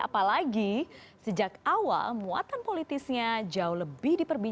apalagi sejak awal muatan politisnya jauh lebih diperbaiki